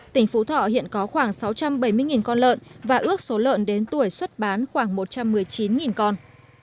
tỉnh phú thọ hiện có khoảng sáu trăm bảy mươi con lợn và ước số lợn đến tuổi xuất bán khoảng một trăm một mươi chín con